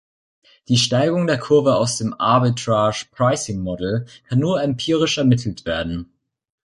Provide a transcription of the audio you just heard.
Die Steigung der Kurve aus dem Arbitrage Pricing Model kann nur empirisch ermittelt werden.